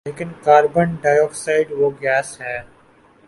لیکن carbon dioxide وہ gas ہے